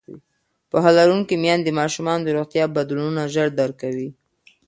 پوهه لرونکې میندې د ماشومانو د روغتیا بدلونونه ژر درک کوي.